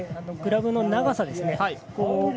グラブの長さですね。